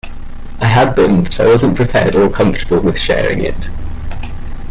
I had them, but I wasn't prepared or comfortable with sharing it.